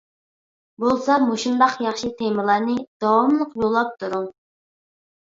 بولسا مۇشۇنداق ياخشى تېمىلارنى داۋاملىق يوللاپ تۇرۇڭ!